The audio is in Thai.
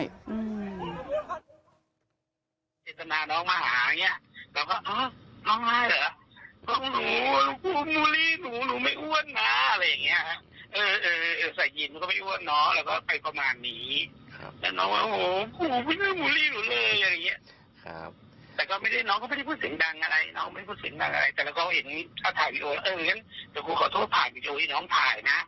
อย่างนี้ค่ะ